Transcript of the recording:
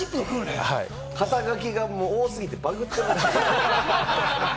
肩書が多すぎてバグってる。